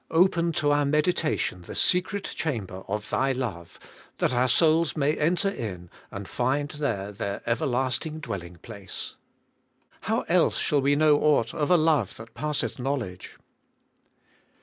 Open to our meditation the secret chamber of Thy love, that our souls may enter in, and find there their everlasting dwelling place. How else shall we know aught of a love that passeth knowledge?